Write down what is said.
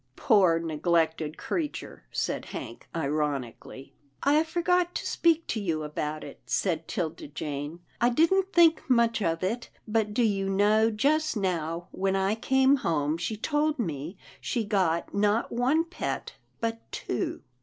" Poor neglected creature !" said Hank, ironic ally. " I forgot to speak to you about it," said 'Tilda Jane, " I didn't think much of it, but do you know just now when I came home, she told me she'd got not one pet, but two."